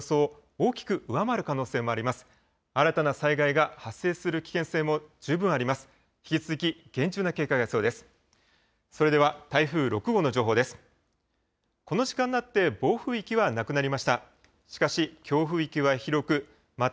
この時間になって、暴風域はなくなりました。